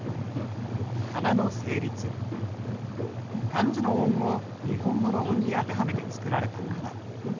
漢字の音を日本語の音に当てはめて作られた仮名。